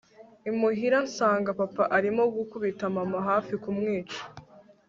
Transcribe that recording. imuhira nsanga papa arimo gukubita mama hafi kumwica